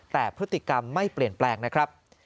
แต่พฤติกรรมไม่เปลี่ยนแปลงนะครับ